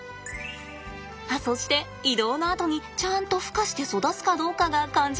あそして移動のあとにちゃんと孵化して育つかどうかが肝心です。